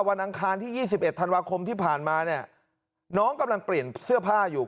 อังคารที่๒๑ธันวาคมที่ผ่านมาเนี่ยน้องกำลังเปลี่ยนเสื้อผ้าอยู่